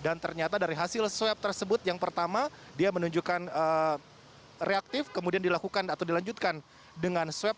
dan ternyata dari hasil swab tersebut yang pertama dia menunjukkan reaktif kemudian dilakukan atau dilanjutkan dengan swab